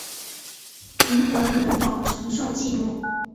灵魂能否承受寂寞